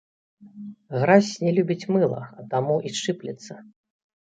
Гразь не любіць мыла, а таму і шчыплецца.